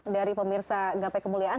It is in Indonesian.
dari pemirsa gape kemuliaan